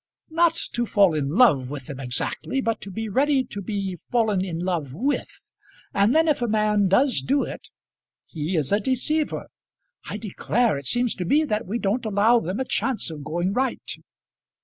"Not to fall in love with them exactly, but to be ready to be fallen in love with, and then if a man does do it he is a deceiver. I declare it seems to me that we don't allow them a chance of going right."